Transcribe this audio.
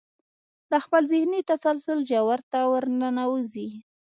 د خپل ذهني تسلسل ژورو ته ورننوځئ.